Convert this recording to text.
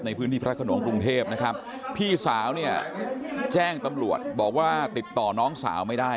พระขนงกรุงเทพนะครับพี่สาวเนี่ยแจ้งตำรวจบอกว่าติดต่อน้องสาวไม่ได้